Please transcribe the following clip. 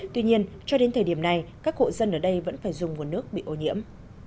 tuy nhiên cho đến thời điểm này các hộ dân ở đây vẫn phải dùng nguồn nước bị ô nhiễm